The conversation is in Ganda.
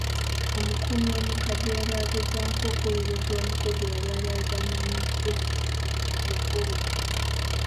Omukuumi omukadde eyali agezaako okuwolereza omukozi eyali alyazaamanyiziddwa yagobwa.